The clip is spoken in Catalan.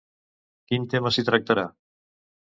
Quin tema s'hi tractarà?